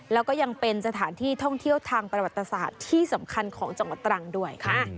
แล้วก็ยังเป็นสถานที่ท่องเที่ยวทางประวัติศาสตร์ที่สำคัญของจังหวัดตรังด้วยค่ะ